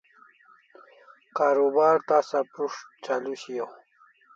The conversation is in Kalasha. Karubar tasa prus't chalu shiau